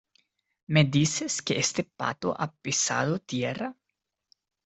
¿ me dices que este pato ha pisado tierra?